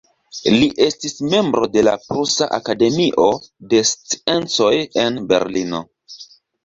Li estis membro de la Prusa Akademio de Sciencoj en Berlino.